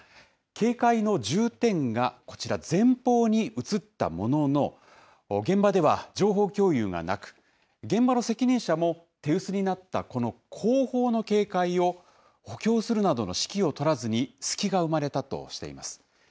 警戒の重点がこちら、前方に移ったものの、現場では情報共有がなく、現場の責任者も手薄になったこの後方の警戒を、補強するなどの指揮を執らずに、隙が生まれたとしています。